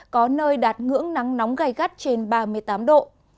có nơi đạt ngưỡng nắng nóng gai gắt trên ba mươi tám độ